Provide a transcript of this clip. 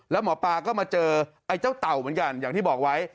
แล้วหมอปลาก็มาเจอไอ้เจ้าเต่าเหมือนกันอย่างที่บอกไว้